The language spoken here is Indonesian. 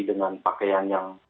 dengan pakaian yang